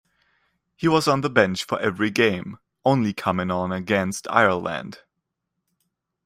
He was on the bench for every game, only coming on against Ireland.